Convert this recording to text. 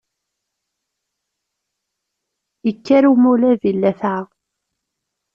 Ikker umulab i llafεa.